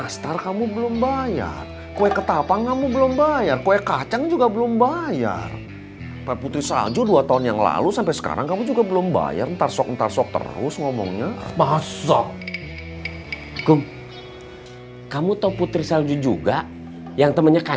sampai jumpa di video selanjutnya